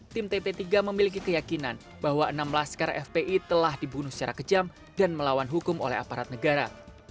tim tp tiga memiliki keyakinan bahwa enam laskar fpi telah dibunuh secara kejam dan melawan hukum oleh aparat negara